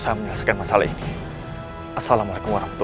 ayo cepat cari mereka cepat